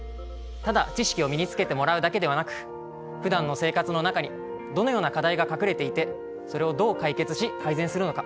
ただ知識を身につけてもらうだけではなくふだんの生活の中にどのような課題が隠れていてそれをどう解決し改善するのか。